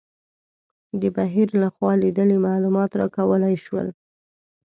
د بهیر لخوا لیدلي معلومات راکول شول.